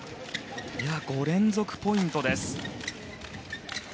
５連続ポイントです。